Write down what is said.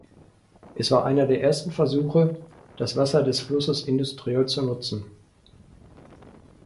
Es war einer der ersten Versuche, das Wasser des Flusses industriell zu nutzen.